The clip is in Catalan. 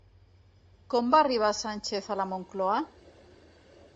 Com va arribar Sánchez a la Moncloa?